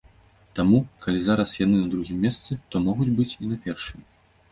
Таму, калі зараз яны на другім месцы, то могуць быць і на першым!